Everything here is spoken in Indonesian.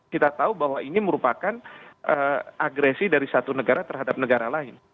kita tahu bahwa ini merupakan agresi dari satu negara terhadap negara lain